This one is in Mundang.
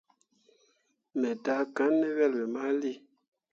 Me daakanne ne yelbe mali.